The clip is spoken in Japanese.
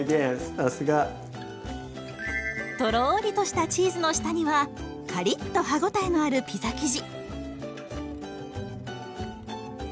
さすが！とろりとしたチーズの下にはカリッと歯応えのあるピザ生地。